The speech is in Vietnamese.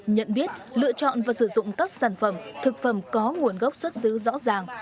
nhận biết lựa chọn và sử dụng các sản phẩm thực phẩm có nguồn gốc xuất xứ rõ ràng